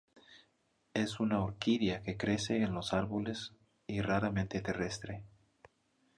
Es una orquídea que crece en los árboles y raramente terrestre.